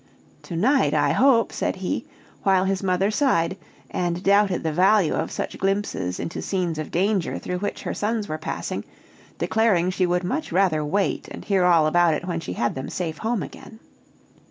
"To night, I hope," said he, while his mother sighed, and doubted the value of such glimpses into the scenes of danger through which her sons were passing, declaring she would much rather wait and hear all about it when she had them safe home again.